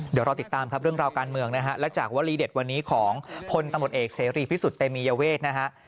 เดี๋ยวรอติดตามครับเรื่องราวการเมืองนะฮะและจากวลีเด็ดวันนี้ของพลตำรวจเอกเสรีพิสุทธิ์เตมียเวทนะฮะ